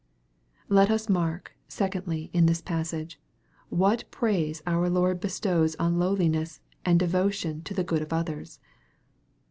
Let us mark, secondly, in this passage, what praise our Lord bestows on lowliness, o.nd devotion to the good of others.